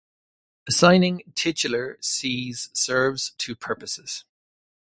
Assigning titular sees serves two purposes.